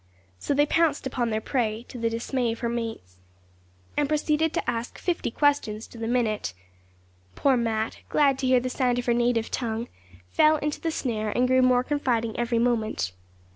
So they pounced upon their prey, to the dismay of her mates, and proceeded to ask fifty questions to the minute. Poor Mat, glad to hear the sound of her native tongue, fell into the snare, and grew more confiding every moment.